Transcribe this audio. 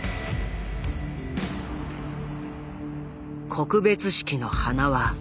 告別式の花輪。